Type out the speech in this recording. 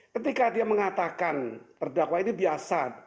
ketika dia mengatakan terdakwa ini biasa